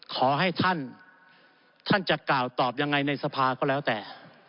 ขอให้ท่านท่านจะกล่าวตอบยังไงในสภาก็แล้วแต่